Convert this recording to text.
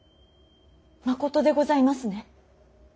まことでございますね。